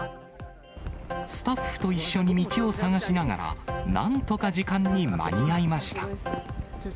スタッフと一緒に道を探しながら、なんとか時間に間に合いました。